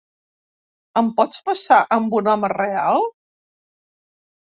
Em pots passar amb un home real?